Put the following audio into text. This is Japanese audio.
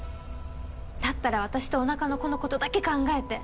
だったら私とお腹の子のことだけ考えて。